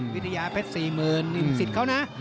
วิทยาเพชรสี่หมื่นนี่สิทธิ์เขานะ